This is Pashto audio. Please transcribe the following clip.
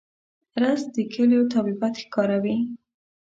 رس د کلیو طبیعت ښکاروي